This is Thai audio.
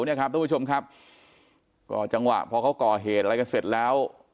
เนี่ยครับทุกผู้ชมครับก็จังหวะพอเขาก่อเหตุอะไรกันเสร็จแล้ว